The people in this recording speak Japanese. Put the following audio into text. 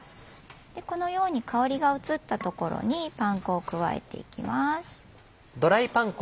このように香りが移ったところにパン粉を加えていきます。